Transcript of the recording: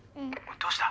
どうした？